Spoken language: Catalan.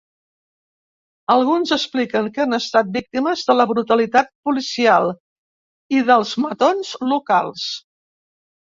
Alguns expliquen que han estat víctimes de la brutalitat policial i dels matons locals.